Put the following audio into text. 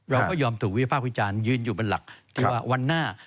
เราก็ยอมถูกวิภาควิจารณ์ยืนอยู่เป็นหลักที่ว่าวันหน้า